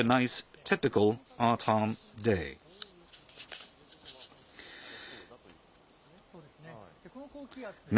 そうですね。